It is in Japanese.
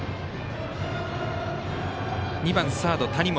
２番、サード、谷本。